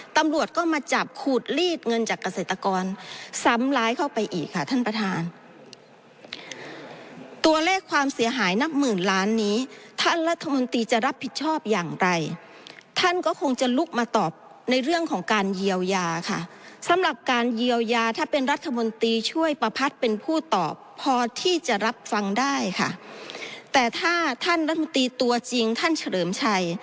ตำรวจก็มาจับขูดลีดเงินจากเกษตรกรซ้ำร้ายเข้าไปอีกค่ะท่านประธานตัวเลขความเสียหายนับหมื่นล้านนี้ท่านรัฐมนตรีจะรับผิดชอบอย่างไรท่านก็คงจะลุกมาตอบในเรื่องของการเยียวยาค่ะสำหรับการเยียวยาถ้าเป็นรัฐมนตรีช่วยประพัทธ์เป็นผู้ตอบพอที่จะรับฟังได้ค่ะแต่ถ้าท่านรัฐมนตรีตัวจริงท่านเฉลิมชัย